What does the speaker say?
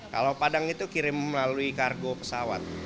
kalau padang itu kirim melalui kargo pesawat